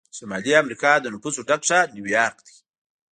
د شمالي امریکا د نفوسو ډک ښار نیویارک دی.